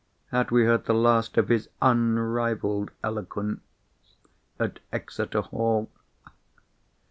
Had we heard the last of his unrivalled eloquence at Exeter Hall?